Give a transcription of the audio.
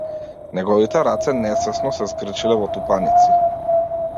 Неговите раце несвесно се згрчиле во тупаници.